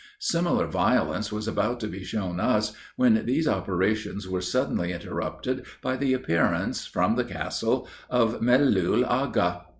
Similar violence was about to be shown us, when these operations were suddenly interrupted by the appearance, from the castle, of Melul Agha.